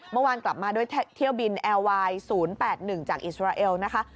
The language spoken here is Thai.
เมื่อวานกลับมาด้วยเที่ยวบินแอร์ไวน์๐๘๑จากอิสราเอลนะคะ